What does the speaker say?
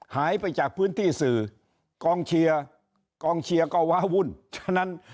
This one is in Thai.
หายไปจากพื้นที่สื่อกองเชียร์ก็ว้าวุ่น